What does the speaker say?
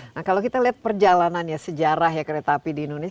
nah kalau kita lihat perjalanan ya sejarah ya kereta api di indonesia